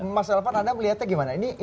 mas elvan anda melihatnya gimana